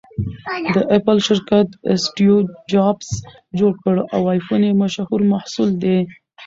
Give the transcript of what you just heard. د اپل شرکت اسټیوجابز جوړ کړ٬ او ایفون یې مشهور محصول دی